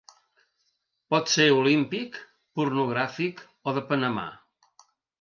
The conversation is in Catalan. Pot ser olímpic, pornogràfic o de Panamà.